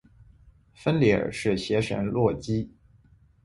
芬里尔是邪神洛基。